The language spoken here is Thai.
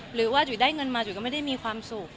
หรือว่าจุ๋ยได้เงินมาจุ๋ยก็ไม่ได้มีความสุข